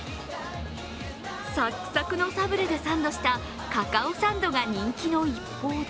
サックサクのサブレでサンドしたカカオサンドが人気の一方で